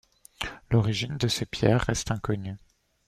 L'origine de ses pierres reste inconnue.